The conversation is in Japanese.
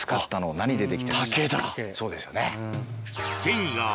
そうですよね。